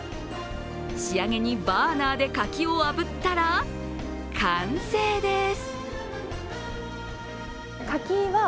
仕上げにバーナーで柿をあぶったら完成です。